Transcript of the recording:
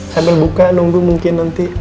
sambil buka nunggu mungkin nanti